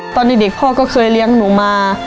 ตอนเด็กพ่อก็เคยเลี้ยงหนูมา